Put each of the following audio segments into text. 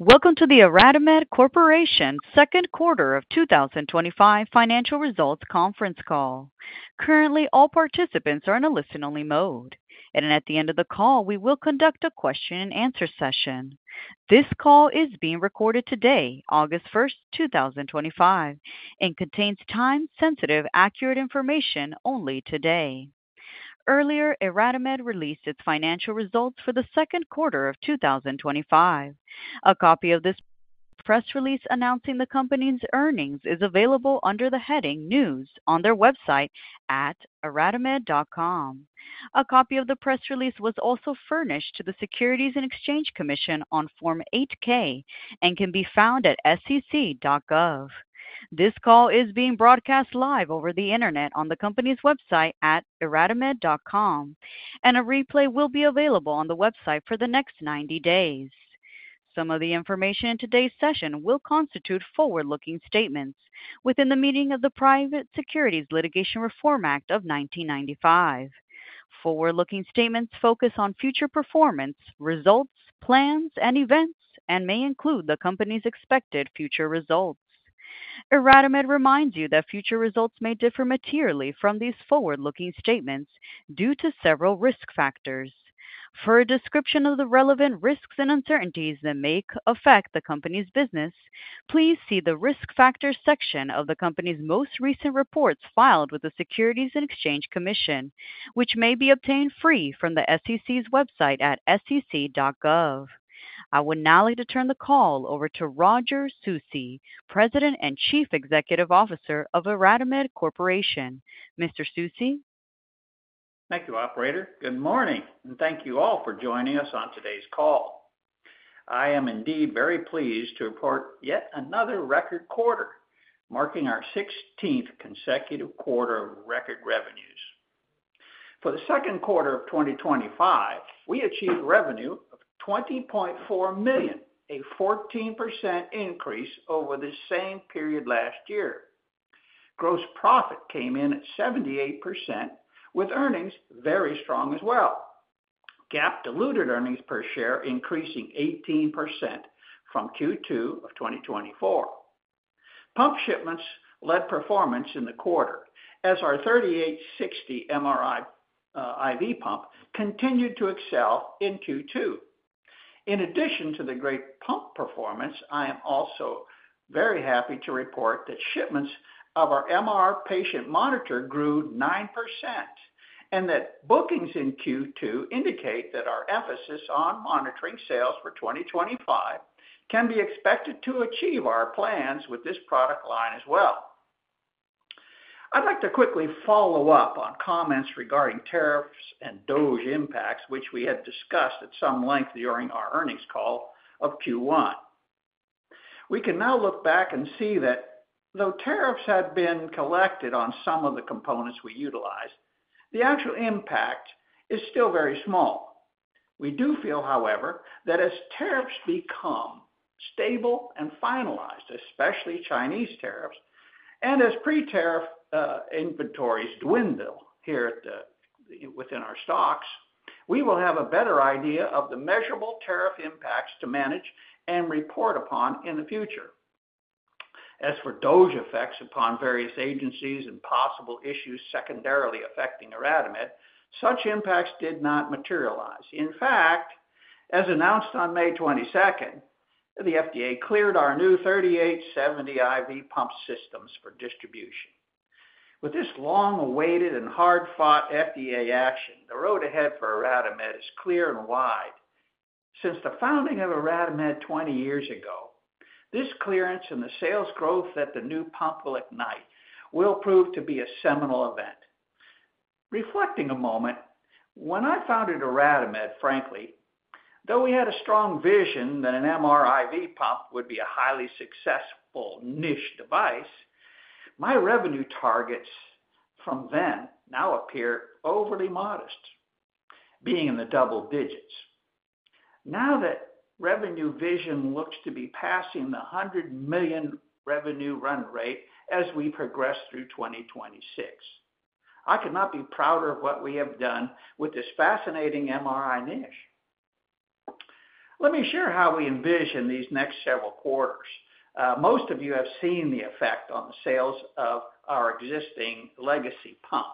Welcome to the IRADIMED Corporation Second Quarter of 2025 Financial Results Conference Call. Currently, all participants are in a listen-only mode, and at the end of the call we will conduct a Q&A session. This call is being recorded today, August 1st, 2025, and contains time-sensitive, accurate information only. Today, earlier, IRADIMED released its financial results for the second quarter of 2025. A copy of this press release announcing the company's earnings is available under the heading News on their website at iradimed.com. A copy of the press release was also furnished to the Securities and Exchange Commission on Form 8-K and can be found at sec.gov. This call is being broadcast live over the internet on the company's website at iradimed.com, and a replay will be available on the website for the next 90 days. Some of the information in today's session will constitute forward-looking statements within the meaning of the Private Securities Litigation Reform Act of 1995. Forward-looking statements focus on future performance, results, plans, and events and may include the company's expected future results. IRADIMED reminds you that future results may differ materially from these forward-looking statements due to several risk factors. For a description of the relevant risks and uncertainties that may affect the company's business, please see the Risk Factors section of the company's most recent reports filed with the Securities and Exchange Commission, which may be obtained free from the SEC's website at sec.gov. I would now like to turn the call over to Roger Susi, President and Chief Executive Officer of IRADIMED Corporation. Mr. Susi. Thank you Operator. Good morning and thank you all for joining us on today's call. I am indeed very pleased to report yet another record quarter, marking our 16th consecutive quarter of record revenues. For the second quarter of 2025, we achieved revenue of $20.4 million, a 14% increase over the same period last year. Gross profit came in at 78% with earnings very strong as well, GAAP diluted earnings per share increasing 18% from Q2 of 2024. Pump shipments led performance in the quarter as our 3860 MRI IV pump continued to excel in Q2. In addition to the great pump performance, I am also very happy to report that shipments of our patient vital signs monitoring systems grew 9% and that bookings in Q2 indicate that our emphasis on monitoring sales for 2025 can be expected to achieve our plans with this product line as well. I'd like to quickly follow-up on comments regarding tariffs and DOGE impacts which we had discussed at some length during our earnings call of Q1. We can now look back and see that though tariffs had been collected on some of the components we utilized, the actual impact is still very small. We do feel, however, that as tariffs become stable and finalized, especially Chinese tariffs, and as pre-tariff inventories dwindle here within our stocks, we will have a better idea of the measurable tariff impacts to manage and report upon in the future. As for DOGE effects upon various agencies and possible issues secondarily affecting IRADIMED, such impacts did not materialize. In fact, as announced on May 22th, the FDA cleared our new 3870 IV infusion pump system for distribution. With this long-awaited and hard-fought FDA action, the road ahead for IRADIMED is clear and wide. Since the founding of IRADIMED 20 years ago, this clearance and the sales growth that the new pump will ignite will prove to be a seminal event, reflecting a moment when I founded IRADIMED. Frankly, though, we had a strong vision that an MRI IV pump would be a highly successful niche device. My revenue targets from then now appear overly modest, being in the double digits. Now that revenue vision looks to be passing the $100 million revenue run rate as we progress through 2026. I could not be prouder of what we have done with this fascinating MRI niche. Let me share how we envision these next several quarters. Most of you have seen the effect on the sales of our existing legacy pump,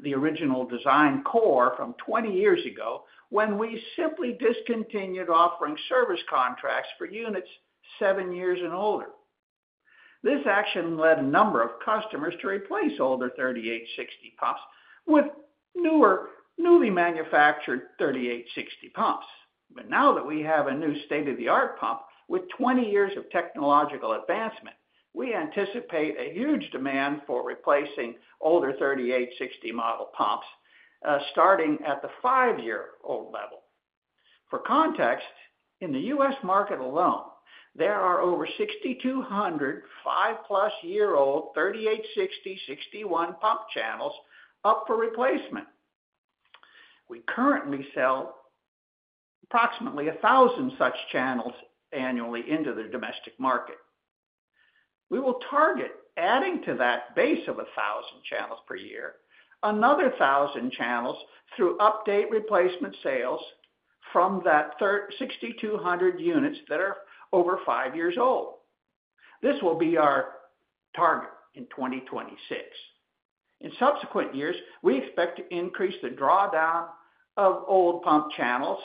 the original design core from 20 years ago, when we simply discontinued offering service contracts for units 7 years and older. This action led a number of customers to replace older 3860 pumps with newer, newly manufactured 3860 pumps. Now that we have a new state-of-the-art pump with 20 years of technological advancement, we anticipate a huge demand for replacing older 3860 model pumps starting at the 5-year-old level. For context, in the U.S. market alone, there are over 6,200 5-year-old 3860 pump channels up for replacement. We currently sell approximately 1,000 such channels annually into the domestic market. We will target adding to that base of 1,000 channels per year another 1,000 channels through update replacement sales from that 6,200 units that are over five years old. This will be our target in 2026. In subsequent years, we expect to increase the drawdown of old pump channels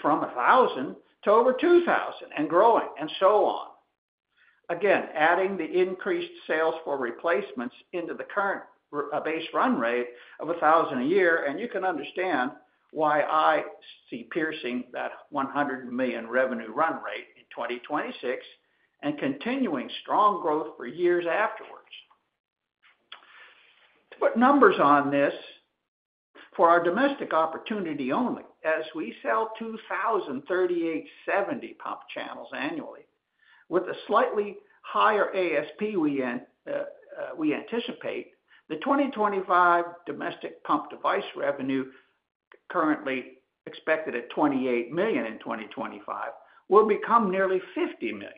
from 1,000 to over 2,000 and growing, adding the increased sales for replacements into the current base run rate of 1,000 a year. You can understand why I see piercing that $100 million revenue run rate in 2026 and continuing strong growth for years afterwards. To put numbers on this for our domestic opportunity only, as we sell 2,000 3870 pump channels annually with a slightly higher ASP, we anticipate the 2025 domestic pump device revenue currently expected at $28 million in 2025 will become nearly $50 million,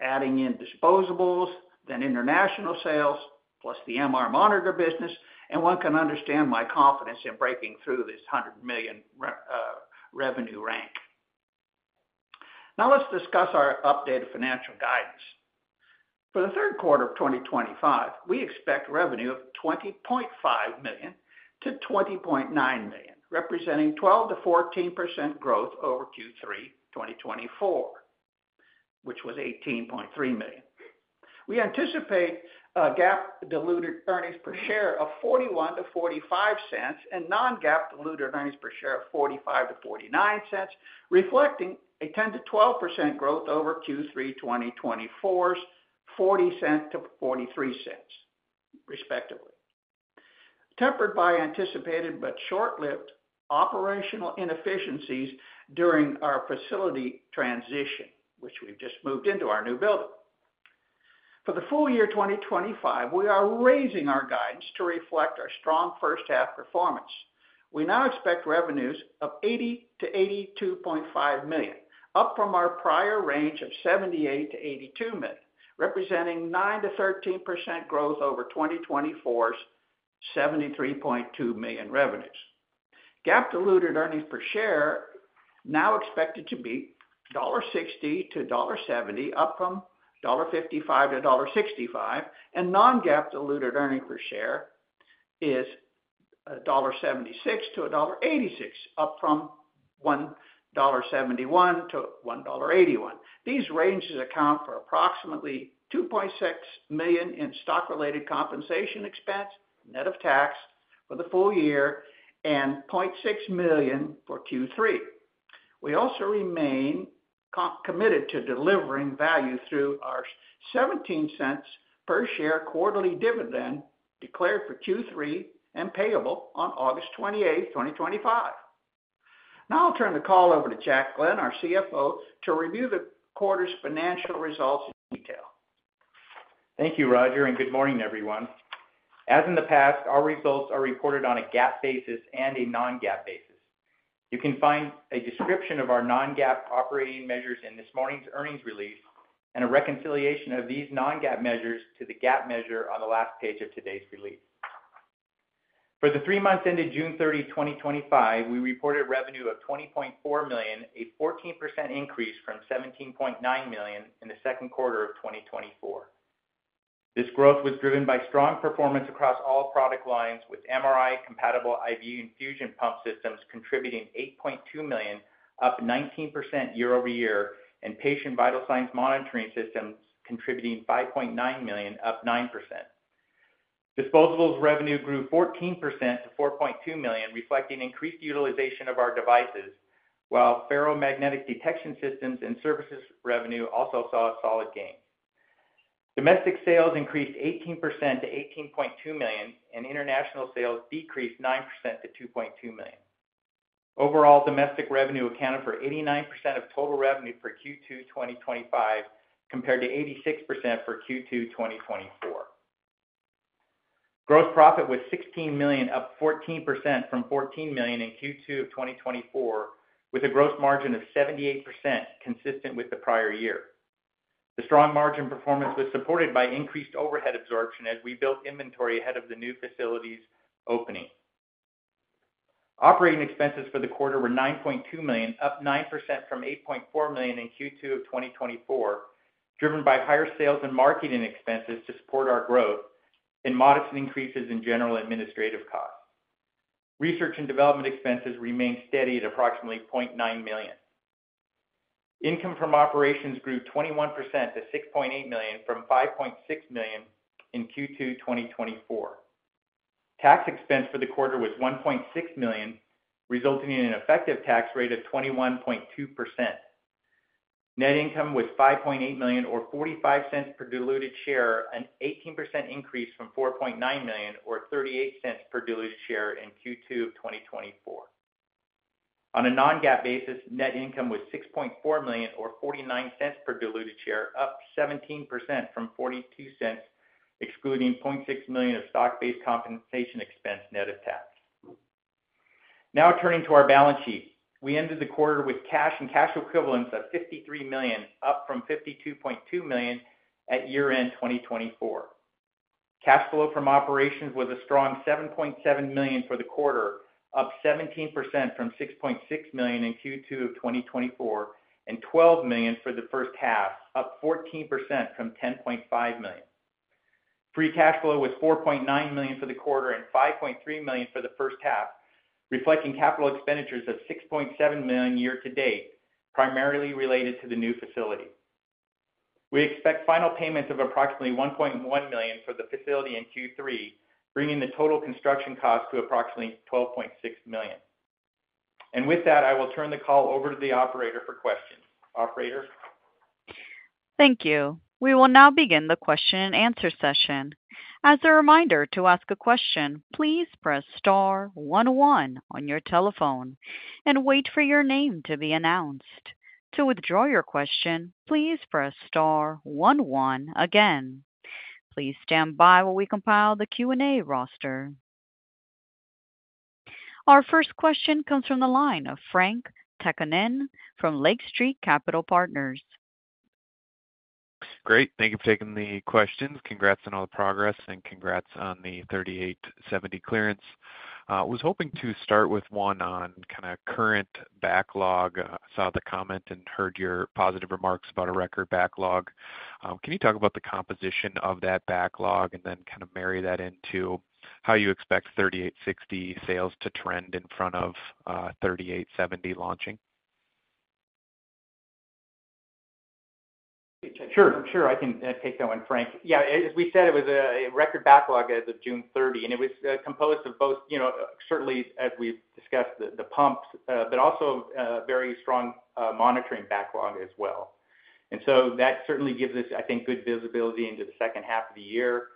adding in disposables, then international sales plus the patient vital signs monitoring systems business, and one can understand my confidence in breaking through this $100 million revenue rank. Now let's discuss our updated financial guidance. For the third quarter of 2025, we expect revenue of $20.5 million-$20.9 million, representing 12%-14% growth over Q3 2024, which was $18.3 million. We anticipate GAAP diluted EPS of $0.41 to $0.45 and non-GAAP diluted EPS of $0.45 to $0.49, reflecting a 10% to 12% growth over Q3 2024's $0.40 to $0.43, respectively, tempered by anticipated but short-lived operational inefficiencies during our facility transition, which we've just moved into our new building. For the full year 2025, we are raising our guidance to reflect our strong first half performance. We now expect revenues of $80 million-$82.5 million, up from our prior range of $78 million-$82 million, representing 9%-13% growth over 2024's $73.2 million revenues. GAAP diluted earnings per share now expected to be $1.60-$1.70, up from $1.55-$1.65, and non-GAAP diluted earnings per share is $1.76-$1.86, up from $1.71-$1.81. These ranges account for approximately $2.6 million in stock-related compensation expense net of tax for the full year and $0.6 million for Q3. We also remain committed to delivering value through our $0.17 per share quarterly dividend declared for Q3 and payable on August 28th, 2025. Now I'll turn the call over to Jack Glenn, our CFO, to review the quarter's financial results in detail. Thank you, Roger, and good morning, everyone. As in the past, our results are reported on a GAAP basis and a non-GAAP basis. You can find a description of our non-GAAP operating measures in this morning's earnings release and a reconciliation of these non-GAAP measures to the GAAP measure on the last page of today's release. For the three months ended June 30, 2025, we reported revenue of $20.4 million, a 14% increase from $17.9 million in the second quarter of 2024. This growth was driven by strong performance across all product lines, with MRI-compatible IV infusion pump systems contributing $8.2 million, up 19% year-over-year, and patient vital signs monitoring systems contributing $5.9 million, up 9%. Disposables revenue grew 14% to $4.2 million, reflecting increased utilization of our devices, while ferromagnetic detection systems and service revenue also saw a solid gain. Domestic sales increased 18% to $18.2 million, and international sales decreased 9% to $2.2 million. Overall, domestic revenue accounted for 89% of total revenue for Q2 2025 compared to 86% for Q2 2024. Gross profit was $16 million, up 14% from $14 million in Q2 of 2024, with a gross margin of 78%, consistent with the prior year. The strong margin performance was supported by increased overhead absorption as we built inventory ahead of the new facilities opening. Operating expenses for the quarter were $9.2 million, up 9% from $8.4 million in Q2 of 2024, driven by higher sales and marketing expenses to support our growth and modest increases in general administrative costs. Research and development expenses remained steady at approximately $0.9 million. Income from operations grew 21% to $6.8 million from $5.6 million in Q2 2024. Tax expense for the quarter was $1.6 million, resulting in an effective tax rate of 21.2%. Net income was $5.8 million or $0.45 per diluted share, an 18% increase from $4.9 million or $0.38 per diluted share in Q2 of 2024. On a non-GAAP basis, net income was $6.4 million or $0.49 per diluted share, up 17% from $0.42, excluding $0.6 million of stock-based compensation expense net of tax. Now turning to our balance sheet, we ended the quarter with cash and cash equivalents of $53 million, up from $52.2 million at year end 2024. Cash flow from operations was a strong $7.7 million for the quarter, up 17% from $6.6 million in Q2 of 2024 and $12 million for the first half, up 14% from $10.5 million. Free cash flow was $4.9 million for the quarter and $5.3 million for the first half, reflecting capital expenditures of $6.7 million year to date, primarily related to the new facility. We expect final payments of approximately $1.1 million for the facility in Q3, bringing the total construction cost to approximately $12.6 million. With that, I will turn the call over to the operator for questions. Operator. Thank you. We will now begin the Q&A session. As a reminder, to ask a question, please press star one one on your telephone and wait for your name to be announced. To withdraw your question, please press star one one again. Please stand by while we compile the Q&A roster. Our first question comes from the line of Frank Takkinen from Lake Street Capital Markets. Great. Thank you for taking the questions. Congrats on all the progress and congrats on the 3870 clearance. I was hoping to start with one on kind of current backlog. Saw the comment and heard your positive remarks about a record backlog. Can you talk about the composition of that backlog and then kind of marry that into how you expect 3860 sales to trend in front of 3870 launching? Sure, I'm sure I can take that one, Frank. Yeah, as we said, it was a record backlog as of June 30, and it was composed of both certainly as we discussed the pumps, but also very strong monitoring backlog as well. That certainly gives us, I think, good visibility into the second half of the year,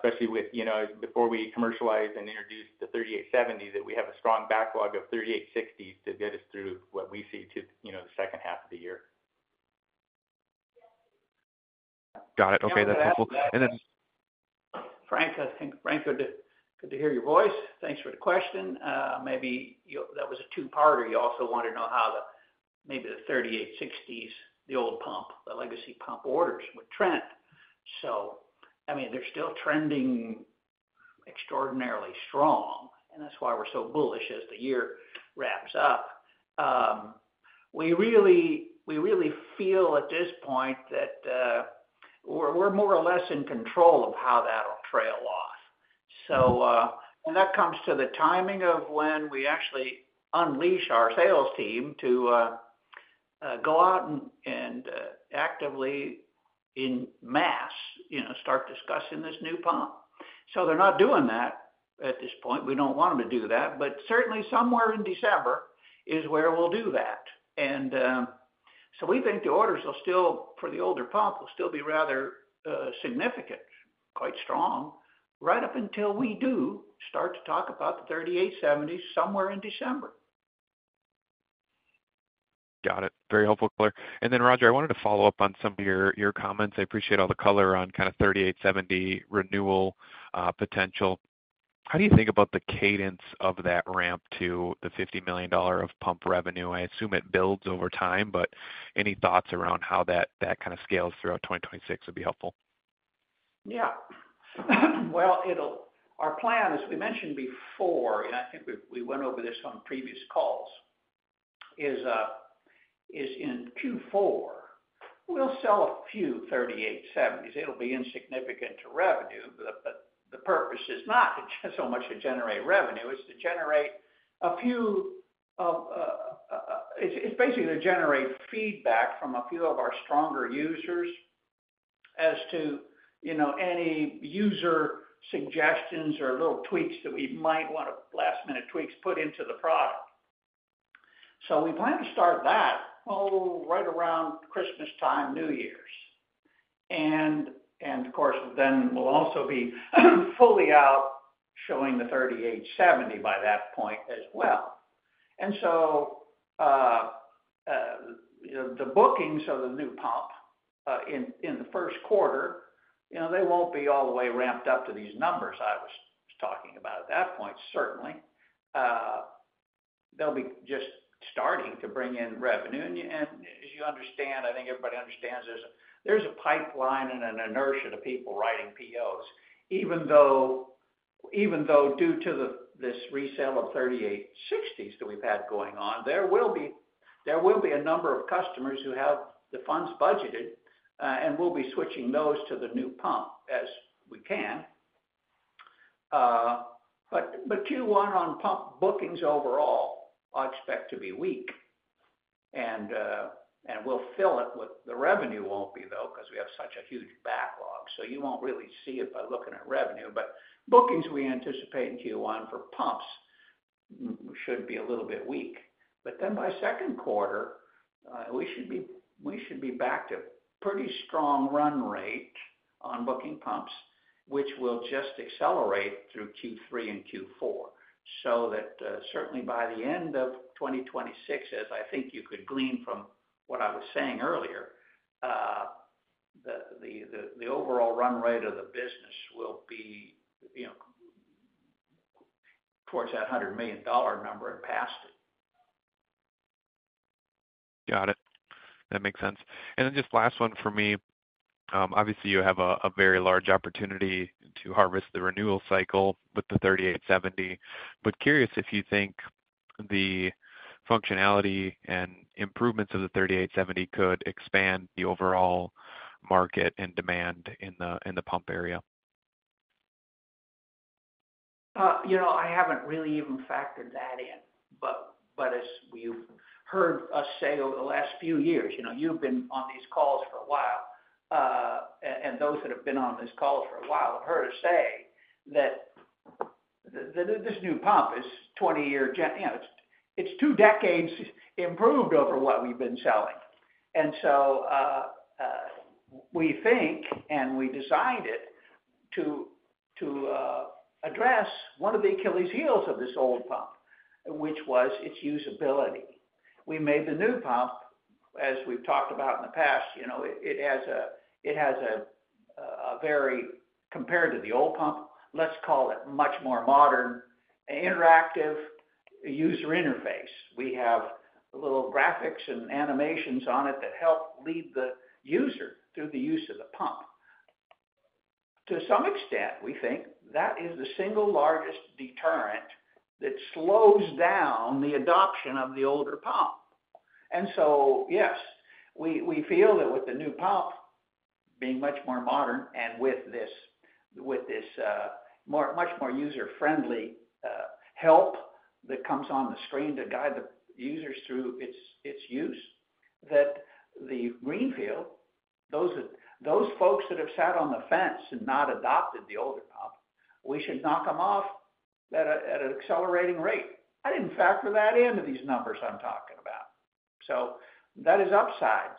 especially with, you know, before we commercialize and introduce the 3870, that we have a strong backlog of 3860 to get us through what we see to the second half of the year. Got it. Okay, that's helpful. Frank, good to hear your voice. Thanks for the question. Maybe that was a two-parter. You also want to know how the 3860s, the old pump, the legacy pump orders will trend. They're still trending extraordinarily strong and that's why we're so bullish as the year wraps up. We really feel at this point that we're more or less in control of how that'll trail off. That comes to the timing of when we actually unleash our sales team to go out and actively, en masse, start discussing this new pump. They're not doing that at this point. We don't want them to do that. Certainly somewhere in December is where we'll do that. We think the orders for the older pump will still be rather significant, quite strong right up until we do start to talk about the 3870 somewhere in December. Got it. Very helpful. Roger, I wanted to follow up on some of your comments. I appreciate all the color on kind of 3870 renewal potential. How do you think about the cadence of that ramp to the $50 million of pump revenue? I assume it builds over time, but any thoughts around how that kind of scales throughout 2026 would be helpful? Our plan, as we mentioned before, I think we went over this on previous calls, is in Q4 we'll sell a few 3870s. It'll be insignificant to revenue. The purpose is not so much to generate revenue, it's basically to generate feedback from a few of our stronger users as to, you know, any user suggestions or little tweaks that we might want to, last minute tweaks put into the product. We plan to start that right around Christmas time, New Year's, and of course we'll also be fully out showing the 3870 by that point as well. The bookings of the new pump in the first quarter, they won't be all the way ramped up to these numbers I was talking about at that point. Certainly they'll be just starting to bring in revenue. As you understand, I think everybody understands there's a pipeline and an inertia to people writing POs. Even though due to this resale of 3860s that we've had going on, there will be a number of customers who have the funds budgeted and we'll be switching those to the new pump as we can. Q1 on pump bookings overall I expect to be weak and we'll fill it with, the revenue won't be though because we have such a huge backlog so you won't really see it by looking at revenue. Bookings we anticipate in Q1 for pumps should be a little bit weak. By second quarter we should be back to pretty strong run rate on booking pumps which will just accelerate through Q3 and Q4. Certainly by the end of 2026, as I think you could glean from what I was saying earlier, the overall run rate of the business will be towards that $100 million number and past it. Got it. That makes sense. Just last one for me, obviously you have a very large opportunity to harvest the renewal cycle with the 3870. Curious if you think the functionality and improvements of the 3870 could expand the overall market and demand in the pump area. I haven't really even factored that in. As you've heard us say over the last few years, you've been on these calls for a while and those that have been on these calls for a while have heard us say that this new pump is 20 year, you know, it's two decades improved over what we've been selling. We think, and we designed it to address one of the Achilles heels of this old pump, which was its usability. We made the new pump as we've talked about in the past. It has a very, compared to the old pump, let's call it much more modern interactive user interface. We have little graphics and animations on it that help lead the user through the use of the pump to some extent. We think that is the single largest deterrent that slows down the adoption of the older pump. Yes, we feel that with the new pump being much more modern and with this, with this more, much more user-friendly help that comes on the screen to guide the users through its use, that the greenfield, those folks that have sat on the fence and not adopted the older pump, we should knock them off at an accelerating rate. I didn't factor that into these numbers I'm talking about. That is upside.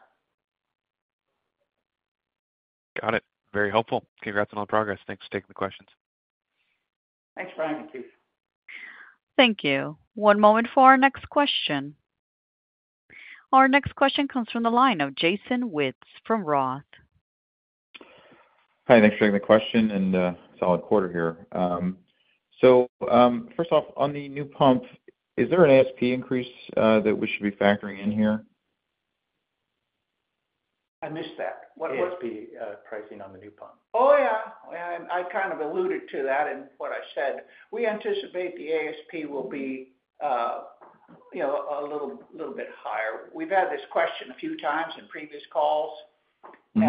Got it. Very helpful. Congrats on all progress. Thanks for taking the questions. Thanks, Frank. Thank you. One moment for our next question. Our next question comes from the line of Jason Wittes from Roth. Hi, thanks for taking the question. Solid quarter here. First off, on the new pump. Is there an ASP increase that we should be factoring in here? I missed that. ASP pricing on the new pump? Oh yeah, I kind of alluded to that in what I said. We anticipate the ASP will be, you know, a little bit higher. We've had this question a few times in previous calls, and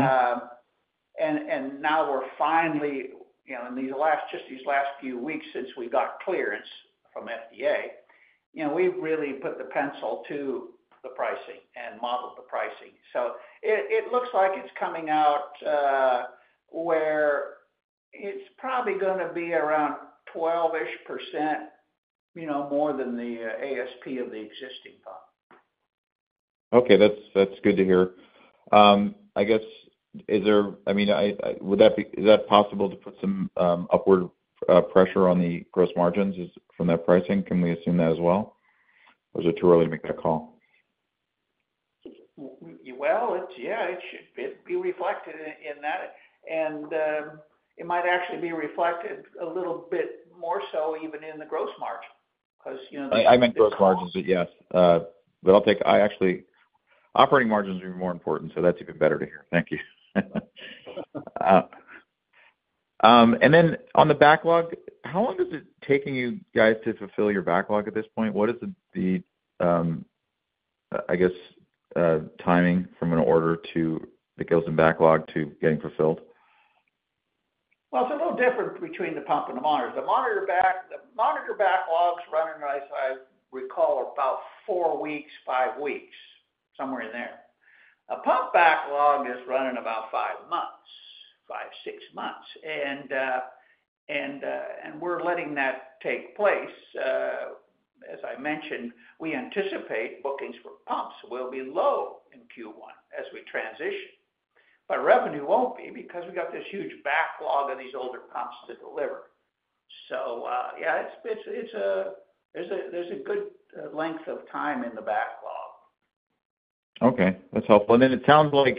now we're finally, you know, in just these last few weeks since we got clearance from FDA, we really put the pencil to the pricing and modeled the pricing. It looks like it's coming out where it's probably going to be around 12% more than the ASP of the existing pump. Okay, that's good to hear, I guess. Is there, I mean, would that be, is that possible to put some upward pressure on the gross profit margins from that pricing? Can we assume that as well, or is it too early to make that call? It should be reflected in that, and it might actually be reflected a little bit more so even in the gross margin, because I meant gross margins. Yes, I'll take, actually operating margins are more important. So that's even better to hear. Thank you. On the backlog, how long is it taking you guys to fulfill your backlog at this point? What is the, I guess, timing from an order to the backlog to getting fulfilled? It's a little different between the pump and the monitors. The monitor backlog is running, I recall, about four weeks, five weeks, somewhere in there. A pump backlog is running about five months, five, six months. We're letting that take place. As I mentioned, we anticipate bookings for pumps will be low in Q1 as we transition, but revenue won't be because we got this huge backlog on these older pumps to deliver. It's a good length of time in the backlog. Okay, that's helpful. It sounds like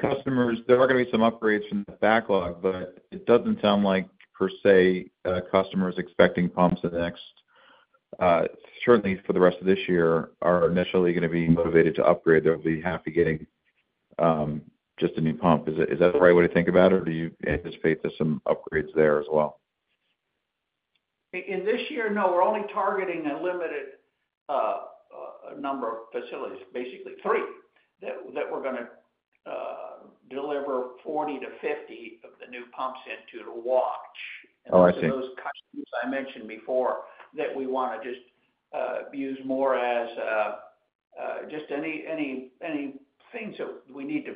customers, there are going to be some upgrades from the backlog, but it doesn't sound like per se customers expecting pumps the next certainly for the rest of this year are initially going to be motivated to upgrade. They'll be happy getting just a new pump. Is that the right way to think about it or do you anticipate that some upgrades there as well? In this year no, we're only targeting a limited number of facilities, basically three that we're going to deliver 40-50 of the new pumps into. I mentioned before that we want to just use more as just any things that we need to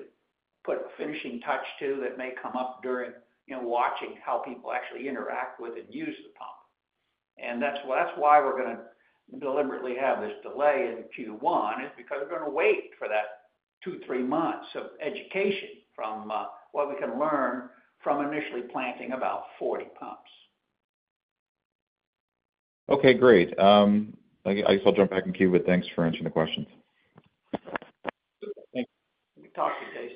put finishing touch to that may come up during watching how people actually interact with and use the pump. That's why we're going to deliberately have this delay in Q1, because we're going to wait for that two, three months of education from what we can learn from initially planting about 40 pumps. Okay, great. I guess I'll jump back in queue, but thanks for answering the questions. Thank you. Good to talk to you.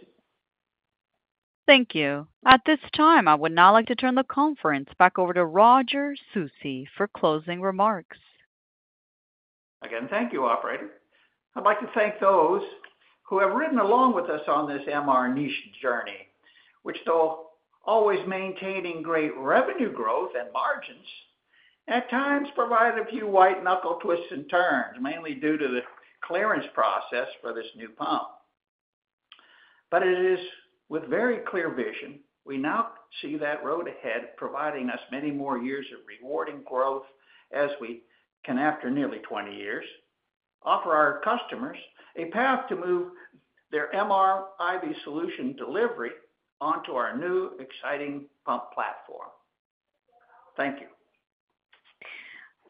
Thank you. At this time, I would now like to turn the conference back over to Roger Susi for closing remarks. Thank you, operator. I'd like to thank those who have ridden along with us on this MRI niche journey, which, though always maintaining great revenue growth and margins, at times provide a few white knuckle twists and turns, mainly due to the clearance process for this new pump. It is with very clear vision we now see that road ahead, providing us many more years of rewarding growth as we can, after nearly 20 years, offer our customers a path to move their MRI IV solution delivery onto our new exciting pump platform. Thank you.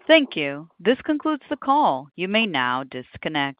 Thank you. This concludes the call. You may now disconnect.